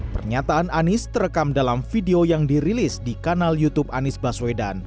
pernyataan anies terekam dalam video yang dirilis di kanal youtube anies baswedan